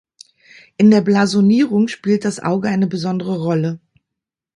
In der Blasonierung spielt das Auge eine besondere Rolle.